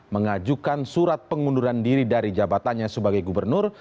mengajukan surat pengunduran diri dari jabatannya sebagai gubernur